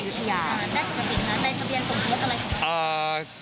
ได้ทะเบียนนะได้ทะเบียนสมมุติอะไรสำหรับคุณ